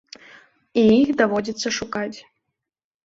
І іх даводзіцца шукаць.